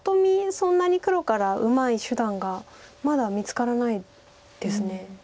そんなに黒からうまい手段がまだ見つからないです。